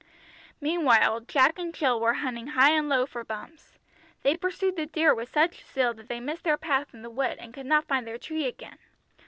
Meanwhile Jack and Jill were hunting high and low for Bumps. They pursued the deer with such zeal that they missed their path in the wood, and could not find their tree again.